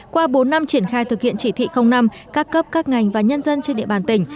qua bốn năm triển khai thực hiện chỉ thị năm các cấp các ngành và nhân dân trên địa bàn tỉnh